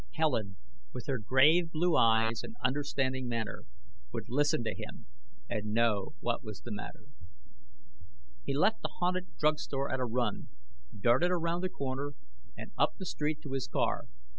Helen, with her grave blue eyes and understanding manner, would listen to him and know what was the matter. He left the haunted drug store at a run, darted around the corner and up the street to his car.